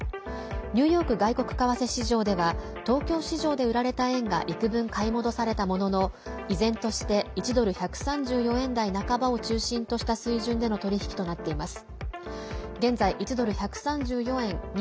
ニューヨーク外国為替市場では東京市場で売られた円がいくぶん、買い戻されたものの依然として１ドル＝１３４円台半ばを中心とした水準での取り引きとなっています。